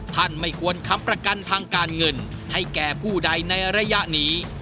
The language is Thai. ไม่ควรค้ำประกันทางการเงินให้แก่ผู้ใดในระยะนี้